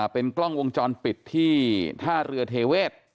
เป็นกล้องวงจรปิดที่ท่าเรือเทเวศ